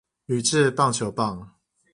鋁製棒球棒